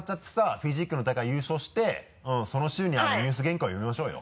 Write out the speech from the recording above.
フィジークの大会優勝してその週にはもうニュース原稿読みましょうよ。